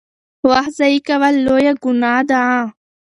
وخت ضایع کول لویه ګناه ده.